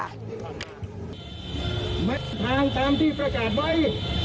แมททางตามที่ประกาศไว้